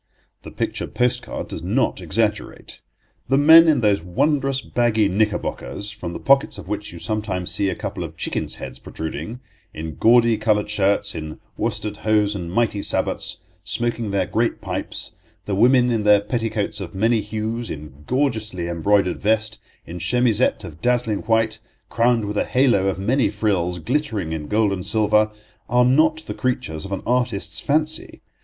The picture post card does not exaggerate. The men in those wondrous baggy knickerbockers, from the pockets of which you sometimes see a couple of chicken's heads protruding; in gaudy coloured shirts, in worsted hose and mighty sabots, smoking their great pipes—the women in their petticoats of many hues, in gorgeously embroidered vest, in chemisette of dazzling white, crowned with a halo of many frills, glittering in gold and silver—are not the creatures of an artist's fancy.